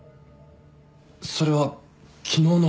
それは昨日の。